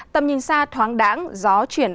tầm nhìn xa thoáng đáng gió chuyển